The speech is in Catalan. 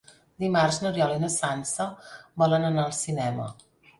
Dimarts n'Oriol i na Sança volen anar al cinema.